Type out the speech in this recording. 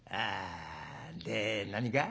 で何か？